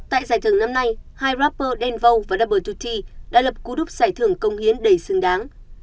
tại giải thưởng năm nay hai rapper denvau và double hai t đã lập cú đúc giải thưởng công hiến đầy xứng đáng